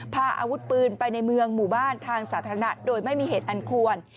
พาอาวุธปืนไปในเมืองหมู่บ้านทางสาธารณะโดยไม่มีเหตุอันควร